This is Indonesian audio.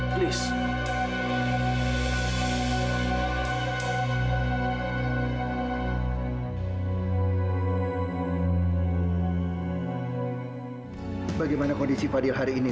kondisi lo dalam keadaan kondisi fadil ini